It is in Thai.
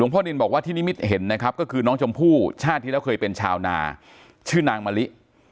พ่อนินบอกว่าที่นิมิตเห็นนะครับก็คือน้องชมพู่ชาติที่แล้วเคยเป็นชาวนาชื่อนางมะลิ